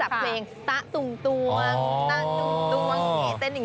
สับเพลงต๊ะตุ้งตวง